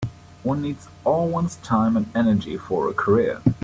One needs all one's time and energy for a career.